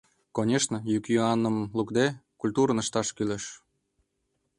Конешне, йӱк-йӱаным лукде, культурнын ышташ кӱлеш.